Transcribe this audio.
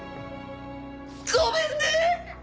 ごめんね！